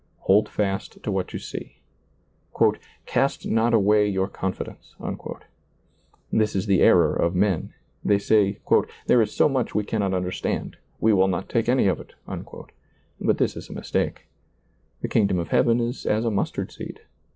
Hold fast to what you see. " Cast not away your confidence." This is the error of men ; they say, " There is so much we cannot understand, we will not take any of it ;" but this is a mistake. The kingdom of heaven is as a mustard seed.